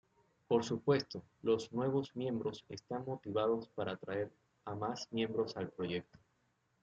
Por supuesto, los nuevos miembros están motivados para atraer a más miembros al proyecto.